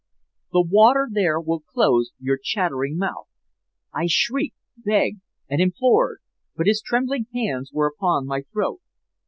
The water there will close your chattering mouth!' I shrieked, begged, and implored, but his trembling hands were upon my throat.